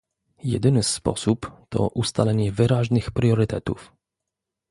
Jedyny sposób to ustalenie wyraźnych priorytetów